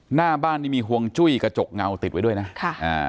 หน้าบ้านนี่มีห่วงจุ้ยกระจกเงาติดไว้ด้วยนะค่ะอ่า